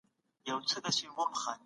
ایا ته د نبي کریم په لاره روان یې؟